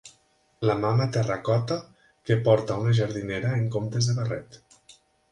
La mama Terra Cotta, que porta una jardinera en comptes de barret.